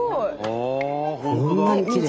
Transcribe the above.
こんなにきれい。